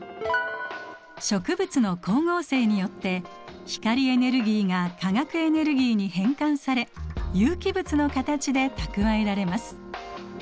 植物の光合成によって光エネルギーが化学エネルギーに変換され有機物の形で蓄えられます。